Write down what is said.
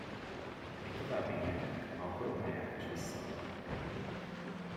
Még tovább éneklek, ha a koronáját is visszaadod!